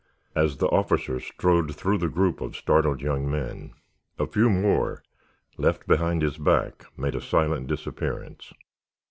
As the officer strode through the group of startled young men a few more, left behind his back, made a silent disappearance.